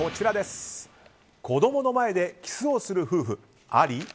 子供の前でキスをする夫婦あり？